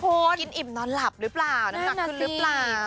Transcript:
กินอิ่มนอนหลับหรือเปล่าน้ำหนักขึ้นหรือเปล่า